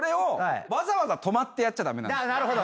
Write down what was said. なるほど。